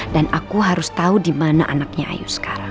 dan aku harus tau dimana anaknya ayo sekarang